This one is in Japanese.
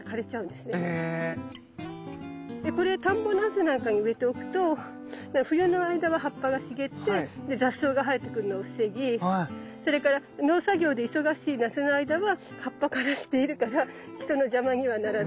でこれ田んぼのあぜなんかに植えておくと冬の間は葉っぱが茂って雑草が生えてくるのを防ぎそれから農作業で忙しい夏の間は葉っぱ枯らしているから人の邪魔にはならず。